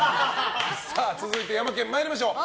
続いて、ヤマケン参りましょう。